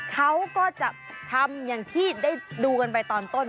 เขาก็จะทำอย่างที่ได้ดูกันไปตอนต้น